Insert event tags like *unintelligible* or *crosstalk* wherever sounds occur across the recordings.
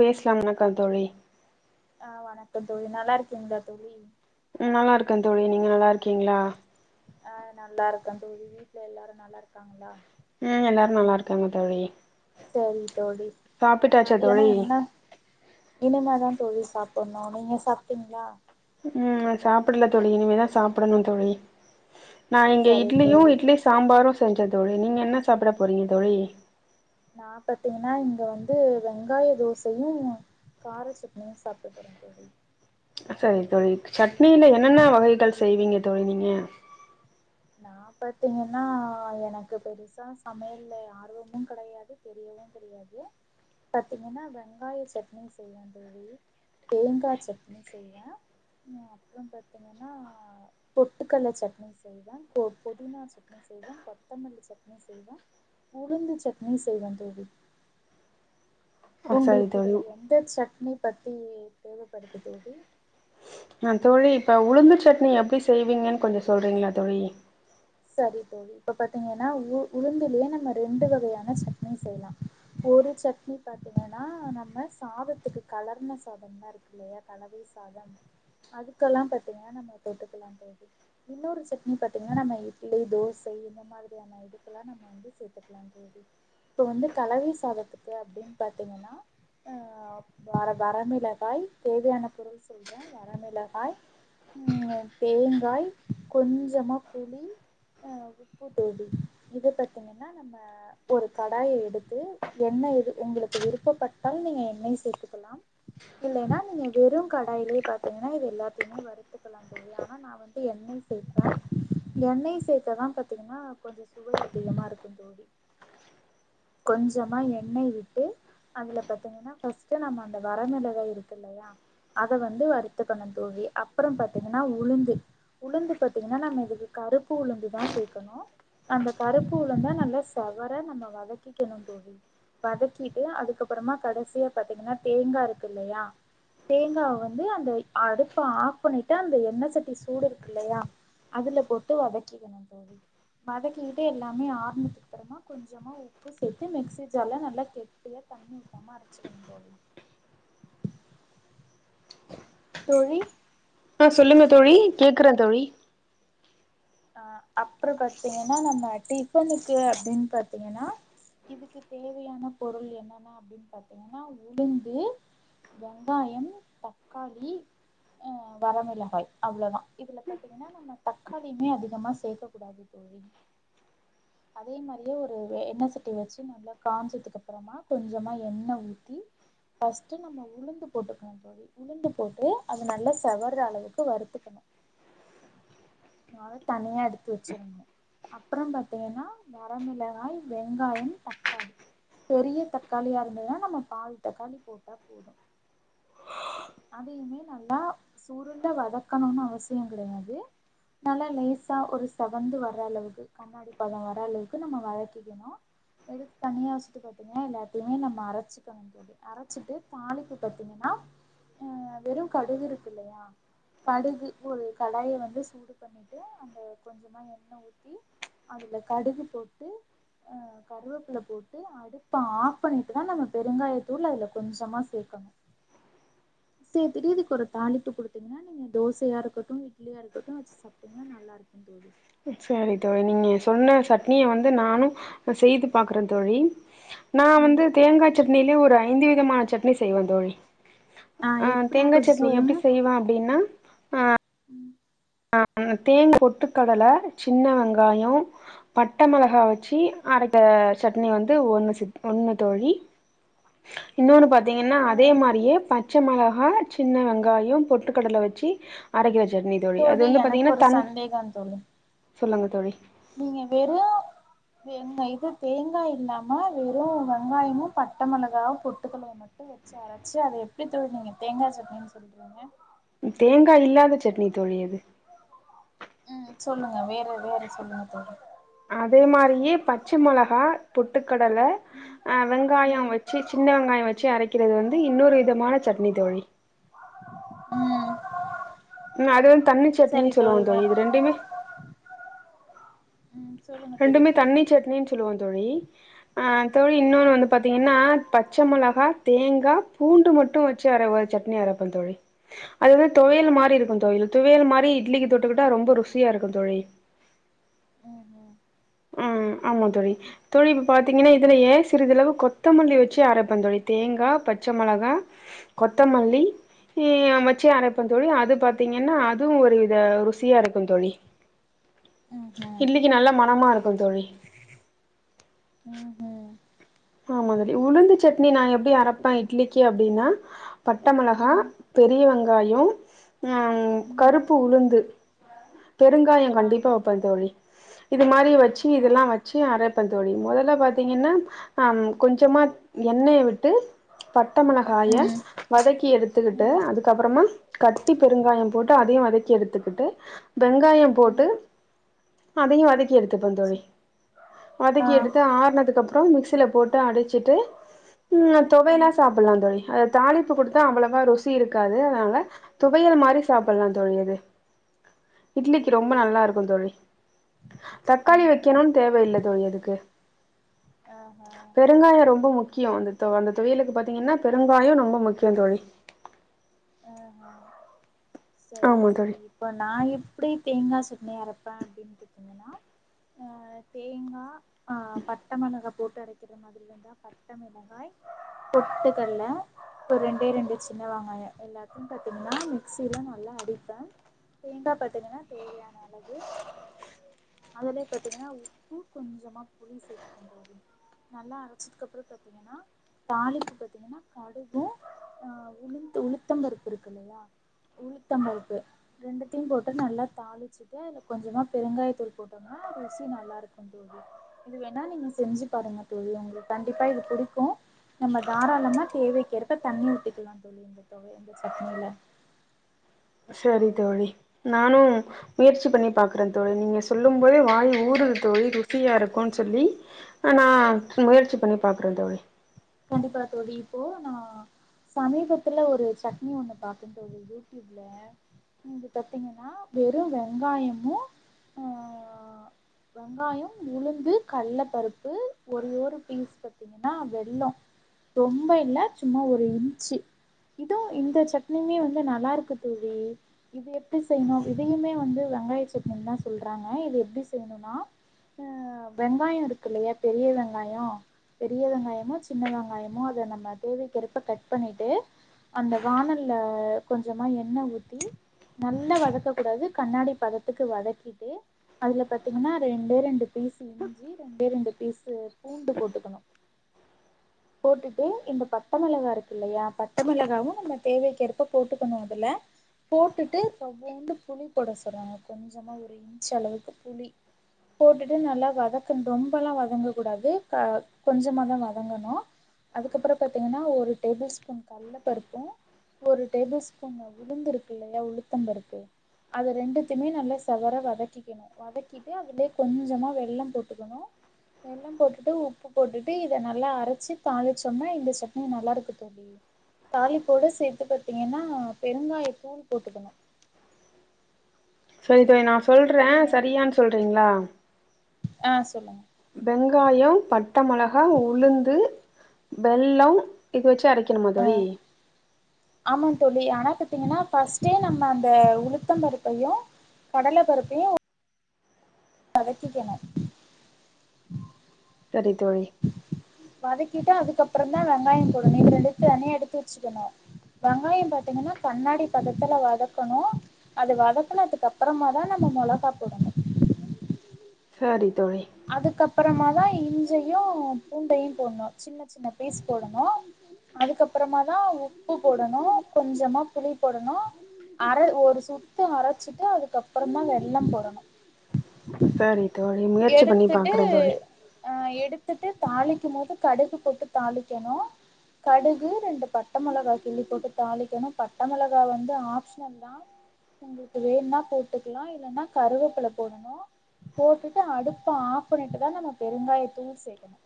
பேஸ்லா வணக்கம் தோழி ஆ வணக்கம் தோழி நல்லாருக்கீங்ளா தோழி ம் நல்லாருக்க தோழி நீங்க நல்லாருக்கீங்ளா ஆ நல்லாருக்க தோழி வீட்ல எல்லாரு நல்லாருக்காங்களா எ எல்லாரும் நல்லாருக்காங்க தோழி சரி தோழி அ சாப்பிட்டாச்சா மதியான தோழி என்ன இனிமேதா தோழி சாப்புன்னோ நீங்க சாப்ட்டீங்ளா ம் நா சாப்புல்ல தோழி இனிமேதா சாப்புடன்னோ தோழி நா இங்க சரி இட்லியு தோழி இட்லி சாம்பாரு செஞ்ச தோழி நீங்க என்ன சாப்புட போறீங்க தோழி நா பத்தீங்கன்னா இங்க வந்து வெங்காய தோசையு கார சட்னியு சாப்ட போறந்தோழி சரிங்க தோழி சட்னியில என்னென்ன வகைகள் செய்வீங்க தோழி நீங்க நா பாத்தீங்கன்னா எனக்கு பெருசா சமையல்ல ஆர்வமு கெடையாது தெரிய தெரியவுந்தெரியாது பத்தீங்கன்னா வெங்காய சட்னி செய்வ தோழி தோழி தேங்காச்சட்னி செய்வ *inaudible* அப்புறம் பாத்தீங்கன்னா பொட்டுக்கல்ல சட்னி செய்வ போ பொதினா சட்னி செய்வ கொத்தமல்லி சட்னி செய் வ உளுந்து சட்னி செய்வ தோழி ஆ சரி உங்குளுக்கு தோழி இதுல எந்த சட்னி பத்தி தேவப்படுது தோழி அ தோழி இப்ப உளுந்துச்சட்னி எப்டி செய்வீங்கன் கொஞ்சோ சொல்றீங்ளா தோழி சரி தோழி இப்ப பாத்தீங்கன்னா உ உளுந்துலே நம்ம ரெண்டு வகையான சட்னி செய்லா ஒரு சட்னி பாத்தீங்கனா நம்ம சாதத்துக்கு கலர்ன சாதம்னா இருக்குல்லயா கலவ வை சாதம் அதுக்கலா பாத்தீங்கன்னா நம்ம தொட்டுக்கலா தோழி இன்னொரு சட்னி பாத்தீங்கனா நம்ம இட்லி தோசை இந்த மாதிரியான இதுக்கலா நம்ம வந் து சேத்துக்கலா தோழி இப்ப வந்து கலவை சாதத்துக்கு அப்பிடின் பாத்தீங்கன்னா அ வர வரமிளகாய் தேவையான பொருள் சொல் ற வரமிளகாய் ம் தேங்காய் கொஞ்சமா புளி அ உப்பு தோழி இது பாத்தீங்கன்னா நம்ம ஒரு கடாய எடுத்து எண்ண இது உங்களுக்கு விருப்பப்பட்டால் நீங்க எண்ணெய் சேத்துக்கலாம் இல்லைனா நீங்க வெறும் கடாயிலே பாத்தீங்கன்னா இத எல்லாத்தையுமே வருத்துக்கலா தோ ழி ஆனா நா வந்து எண்ணெய் சேப்ப எண்ணெய் சேத்தாதா பத்தீங்கன்னா கொஞ்சோ சுவை அதிகமா இருக்கு தோழி *unintelligible* கொஞ்சமா எண்ணெய் விட்டு அதுல பாத்தீங்கன்னா ஃபஸ்ட்டு நம்ம அந்த வரமிளகா இருக்கு இல்லையா அத வந்து வருத்துக்கனு தோழி அப்புறம் பாத்தீங்கன்னா உளுந்து உளுந்து பாத்தீங்கன்னா நம்ம இதுக்கு கருப் பு உளுந்து தா சேக்கணு அந்த கருப்பு உளுந்த நல்லா செவர நம்ம வதக்கிக்கணு தோழி வதக்கிட்டு அதுக்கப்பறமா கடைசியா பாத்தீங்கன்னா தேங்காய் இருக்கு இல்லையா தேங்காவ வந்து அந்த அடுப்ப ஆஃப் பண்ணிட்டு அந்த எண்ணெய் சட்டி சுடு இருக்கு இல்லையா அதுல போட்டு வதக்கிக்கணு தோழி வதக்கிக்கிட்டு எல்லாமே ஆர்ணத்துக்குப்புறமா கொஞ்சமா உப் உப்பு சேத்து மிக்சி ஜார்ல நல்லா கெட்டியா தண்ணி ஊத்தாம அரைச்சுக்கணு தோழி தோழி ஆ சொல்லுங்க தோழி கேக்குற தோழி அ அப்ற பாத்தீங்கன்னா நம்ம டிஃபனுக்கு அப்டின்னு பாத்தீங்கன்னா இதுக்கு தேவையான பொருள் என்னன்னா அப்டின்னு பாத்தீங்கன்னா உளுந்து வெங்காயம் தக்காளி அ வரமிளகாய் அவ்ளோதா இதுல பாத்தி ங்கன்னா நம்ம தக்காளியுமே அதிகமா சேக்க கூடாது தோழி அதே மாதிரியே ஒரு எண்ண சட்டி வச்சு நல்லா காஞ்சதுக்கு அப்பறமா கொஞ்சமா எண்ண ஊத்தி ஃபர்ஸ்ட்டு நம்ம உளுந்து போட்டுக்கணு தோழி உளுந்து போட்டு அது நல்லா செவற அளவுக்கு வருத்துக்கணு அத தனியா எடுத்து வச்சுரணு அப்புறம் பா த்தீங்கனா வரமிளகாய் வெங்காயம் தக்காளி பெரிய தக்காளியா இருந்ததுன்னா நம்ம பாதி தக்காளி போட்டா போது அதையுமே நல்லா சுருண்ட வதக்கனும்னு அவசியொ கிடையாது நல்லா லேசா ஒரு செவந்து வர்ர அளவுக்கு கண்ணாடி பதொ வர அளவுக்கு நம்ம வதக்கிக்கணு எடுத்து தனியா வச்சுட்டு பாத்திங்கனா எல்லாத்தையுமே நம்ம அரச்சுக்கணு கொஞ்சோன்டு அரச்சிட்டு தாளிக்கு பாத்திங்கன்னா அ வெறு கடுகு இருக்கு இல்லையா கடுகு ஒரு கடாய வந்து சூடு பண்ணி ட்டு அந்த கொஞ்சமா எண்ண ஊத்தி அதுல கடுகு போட்டு அ கருவப்பில போட்டு அடுப்ப ஆஃப் பண்ணிட்டு தா நம்ம பெருங்காயத்தூள் அதுல கொஞ்சமா சேக்கணு சேத்திடு இதுக்கு ஒரு தாளிப்பு குடுத்தீங்கன்னா நீங்க தோசயா இருக்கட்டு இட்லியா இருக்கட்டு வச்சு சா சாப்டிங்கனா நல்லா இருக்கு தோழி சேரி தோழி நீங்க சொன்ன சட்னிய வந்து நானு செய்து பாக்குறே தோழி நா ம் வந்து தேங்கா சட்னிலே ஒரு ஐந்து விதமான சட்னி செய்வே தோழி ஆ அ எப்டின்னு தேங்கா கொஞ்சோ சட்னி எப்டி சொல்லுங்க செய்வா அப்டின்னா *inaudible* தேங்கா பொட்டு கடல சின்ன வெங்காயொ பட்ட மெளகா வச்சு அரைக்க சட்னி வந்து ஒன்னு ஒன்னு தோழி இன்னொன்னு பாத்திங்கன்னா அதே மாரியே பச் பச்ச மெளகா சின்ன வெங்காயொ பொட்டுக்கடல வச்சு அரக்கிற சட்னி தோழி அது வந்து எனக்கு பாத்திங்கன்னா ஒரு தண் சந்தேகோ தோழி சொல்லுங்க தோழி நீங்க வெறு வெங் இது தேங்கா இல்லாம வெறு வெங்காயமு பட்ட மெளகா பொட்டுக்க இவ்ளோ மட்டு வச்சு அரச்சு அத எப்டி தோழி நீங்க தேங்கா சட்டின்னு சொல்றீங்க தேங்கா இல்லாத சட்னி தோழி இது ம் சொல்லுங்க வேற வேற சொல்லுங்க தோழி அதே மாரியே பச்ச மொளகா பொட்டுக்கடல வெங்காயொ ம் வச் செ சின்ன வெங்காயொ வச்சு அரக்கிறது வந்து இன்னொரு விதமான சட்னி தோழி ம் ம் அது வந்து தண்ணி சரி சட்னின் சொல்லுவாங்க வேற தோழி இது ரெண்டுமே ம் சொல்லுங்க தோழி ரெண்டுமே தண்ணி சட்ணினு சொல்லுவாங்க தோழி அ தோழி இன்னொன்னு வந்து பாத்திங்கன்னா பச்ச மொளகா தேங்கா பூண்டு மட்டு வச் ச்சு அரவோ சட்னி அரப்பே தோழி அது வந்து தொவையல் மாரி இருக்கு தோழி துவையல் மாரி இட்லிக்கு தொட்டுக்கிட்டா ரொம்ப ருசியா இருக்கு தோழி ம் ம் ம் ஆமா தோழி தோழி இப்ப பாத்திங்கன்னா இதுலயே சிறிதளவு கொத்தமல்லி வச்சு அரப்பே தோழி தேங்கா பச்ச மொளகா கொத்தமல்லி தீ அமச்சி அரப்பே தோழி அது பாத்திங்கன்னா அதுவு ஒரு வித ருசியா இருக்கு தோழி ம் இட்லிக்கு நல்ல மனமா இருக்கு தோழி ம் ம் ஆமா தோழி உளுந்து சட்னி நா எப்டி அரப்பே இட்லிக்கி அப்டின்னா பட்டமெளகா ம் பெரிய வெங்காயொ ம் கருப்பு உளுந்து பெருங்காயொ ஆ கண்டிப்பா வெப்பே தோழி இது மாதரி வச்சு ஆ இதெல்லா வ ச்சு அரப்பே தோழி மொதல்ல பாத்திங்கன்னா அ கொஞ்சமா எண்ணய விட்டு பட்டமொளகாய ம் வதக்கி எடுத்துக்கிட்டு ம் அதுக்கப்பறமா கட்டி பெருங்காயம் போட்டு அதையு வதக்கி எடுத்துக்கிட்டு வெங்காயம் போட்டு ம் அதயும் வதிக் வதக்கி எடுத்துப்போம்‌ தோழி வதக்கி ஆ எடுத்து ஆறுனதுக்கு அப்புறோம் மிக்சில போட்டு அடிச்சிட்டு ம் ம் தொவையல்லாம் சாப்புலாம் தோழி அத தாளிப்பு கொடுத்தா அவ்ளோவா ருசி இருக்காது அதனால துவையல் மாறி சாப்புலாம் தோழி அது இட்லிக்கு ஓ ரொம்ப நல்லா இருக்கும் தோழி தக்காளி ம் ம் வெக்கணுனு தேவயில்ல தோழி அதுக்கு அ அ பெருங்காயோம் ரொம்ப முக்கியோம் அந்த அந்த தோவயலுக்கு பாத்தீங்கன்னா பெருங்காயோம் ரொம்ப முக்கியோம் தோழி அ அ செரி தோழி இப்போ நா எப்டி தேங்காய் சட்னி அரைப்பேன் அப்டின்னு பாத்தீங்கன்னா ஆ தேங்கா ஆ பட்ட மளகா போட்டு அரைக்கிற மாதிரில இருந்தான் பட்ட மிளகாய் பொட்டு கல்ல ஒரு ரெண்டே ரெண்டு சின்ன வெங்காயோம் எல்லாத்தையும் பாத்தீங்கன்னா மிக்சில நல்லா அடிப்பேன் தேங்கா பாத்தீங்கன்னா தேவையான அளவு அதுலயே பாத்தீங்கன்னா உப்பு கொஞ்சமா புளி சேத்துகோனோ தோழி நல்லா அரச்சதுக்கு அப்புறோம் பாத்தீங்கன்னா தாலிப்பு பாத்தீங்கன்னா கடுக்கு ம் ஆ உளுந்து உளுத்தம் பருப்பு இருக்கு இல்லையா உளுத்தம் பருப்பு ரெண்டுத்தையும் போட்டு நல்லா தாளிச்சுட்டு அதுல கொஞ்சமா பெருங்காய தூள் போட்டுன் னோ ருசி நல்லாருக்கும் தோழி இது வேணா நீங்க செஞ்சு பாருங்க தோழி உங்ளுக்கு கண்டிப்பா இது புடிக்கும் நம்ப தாராளமா தேவைக்கேர்ப தண்ணி ஊத்திக்கலாம் தோழி இந்த தொவைல இந்த சட்னியில செரி தோழி நானும் முயற்சி பண்ணி பாக்குறன் தோழி நீங்க சொல்லும் போதே வாய் ஊறுது தோழி ருசியா இருக்குன்னு சொல்லி ஆ நான் முயற்சி பண்ணி பாக்குறேன் தோழி கண்டிப்பா தோழி இப்போ நான் சமீபத்துல ஒரு சட்னி ஒண்ணு பாத்தன் தோழி யூடியூப்ல இது பாத்தீங்கன்னா வெறும் வெங்காயமும் ஆ வெங்காயம் உளுந்து கள்ள பருப்பு ஒர ஒரு பீஸ் பத்தி ங்கன்னா வெள்ளோம் ரொம்ப இல்ல சும்மா ஒரு இன்ச்சு இதோ இந்த சட்னியுமே வந்து நல்லா இருக்கு தோழி இது எப்டி செய்யணும் இதையுமே வந்து வெங்காய சட்னின்னு தான் சொல்றாங்க இது எப்டி செய்னோனா ஆ வெங்காயோம் இருக்கு இல்லையா பெரிய வெங்காயோம்‌ பெரிய வெங்காயமோச்சு சின்ன வெங்காயமோ அத நம்ப தேவைக்கேற்ப்ப கட் பண்ணிட்டு அந்த வானல்ல கொஞ்சமா எண்ண ஊத்தி நல்லா வதக்க கூடாது கண்ணாடி பதத்துக்கு வதக்கிட்டு அதுல பாத்தீங்கன்னா ரெண்டே ரெண்டு பீஸ் இஞ்சி ரெண்டே ரெண்டு பீஸு பூண்டு போட்டுக்கணும் போட்டுட்டு இந்த பட்ட மொளகா இருக்குல்லையா பட்ட மெளகாவும் நம்ப தேவைக்கேற்ப போட்டுகனும்‌அதுல போட்டுக்கண்ணும் அதுல போட்டுட்டு் கொஞ்சோண்டு புளி போட சொல்றாங்க கொஞ்சமா ஒரு இன்ச் அளவுக்கு புளி போட்டுட்டு நல்லா வதக்கணும் ரொம்பலாம் வதங்க கூடாது கொஞ்சமா தான் வதங்கணும் அதுக்கப்பறோம் பாத்தீங்கன்னா ஒரு டேபிள் ஸ்பூன் கல்லபருப்பும் ஒரு டேபிள் ஸ்பூன் உளுந்து இருக்கு இல்லையா உளுத்தம்பருப்பு அது ரெண்டுத்துமே நல்லா செவற வதக்கிக்கணும் வதக்கிட்டு அதுலயே கொஞ்சமா வெள்ளம் போட்டுக்கணும் வெள்ளம் போட்டுட்டு உப்பு போட்டுட்டு இத நல்லா அரச்சி தாளிச்சோன்னா இந்த சட்னி நல்லா இருக்கு தோழி தாலிப்போட சேத்து பாத்தீங்கன்னா பெருங்காய தூள் போட்டுக்கணு சரி இத நா சொல்றே நீங்க சரியான்னு சொல்றீங்ளா ஆ சொல்லுங் வெங்காயம் பட்டமெளகா உளுந்து வெள்ளம் இது வெச்சு அரைக் கணுமா‌த் தோழி ஆமா தோழி ஆனா பாத்தீங்கனா பஸ்ட்டே நம்ம அந்த உளுத்தம்பருப்பையு கடலப்பருப்பையு வதக்கிகனு செரி தோழி வதக்கிட்டு அதுக்கப்புறந்தா வெங்காயம் போடணு இது ரெண்டு தரும் தனியா எடுத்து வெச்சுக்கணு வெங்காயம் பாத்தீங்கனா கண்ணாடி பதத்துல வதக்கணு அது வதக்குனதுக்கு அப்பறமா தா நம்ம மொளகா போடுணு செரி தோழி அதுக்கப்பறமாதா இஞ்சையு பூண்டையு போடணு சின்ன சின்ன பீஸ் போடணு அதுக்கப்பறமா தா உப்பு போடணு கொஞ்சமா புளி போடணு அரை ஒரு சுத்து அரச்சிட்டு அதுக்கப்புறந்தா வெள்ளம் போடணு செரி தோழி முயற்சி பண்ணி பாக்குறே தோழி அஹ எடுத்துட்டு தாளிக்கு போது கடுகு போட்டு தாளிக்கணு கடுகு ரெண்டு பட்ட மொளகா கிள்ளி போட்டு தாளிக்கணு பட்ட மொளகா வந்து ஆப்சனல் தா உங்ளுக்கு வேண்னா போட்டுக்கலா இல்லன்னா கருவேப்புல போடணு அடுத்து அடுப்ப ஆப் பண்ணிட்டு தா நம்ம பெருங்காய தூள் சேக்கணு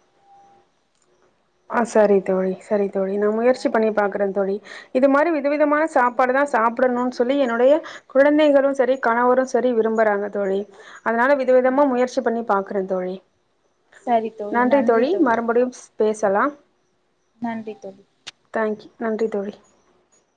ஆ செரி தோழி செரி தோழி நா ஆ முயற்சி பண்ணி பாக்குறே தோழி இது மாறி விதவிதமா சாப்பாடு கண்டிப்பா தா தோழி சாப்டணுனு சொ ல்லி என்னுடைய குழந்தைகளு செரி கணவரு செரி விரும்புறாங்க தோழி அதனால விதமா விதமா ம் ம் முயற்சி பண்ணி பாக்குறே தோழி நன்றி தோழி மறுபடியு பேச சலாம் நன்றி தோழி தேங்க்யூ நன்றி தோழி